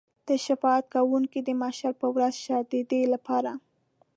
ته شفاعت کوونکی د محشر په ورځ شه د ده لپاره.